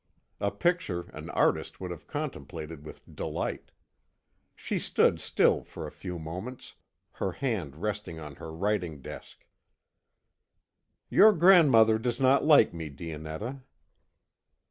A picture an artist would have contemplated with delight. She stood still for a few moments, her hand resting on her writing desk. "Your grandmother does not like me, Dionetta."